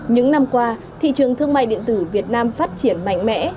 những năm qua thị trường thương mại điện tử việt nam phát triển mạnh mẽ